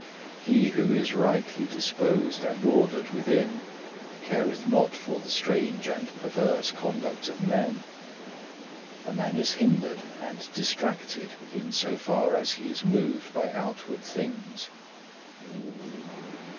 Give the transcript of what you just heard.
He who is rightly disposed and ordered within careth not for the strange and perverse conduct of men. A man is hindered and distracted in so far as he is moved by outward things.